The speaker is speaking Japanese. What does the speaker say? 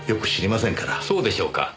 そうでしょうか。